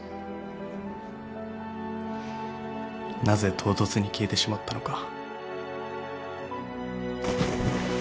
なぜ唐突に消えてしまったのか。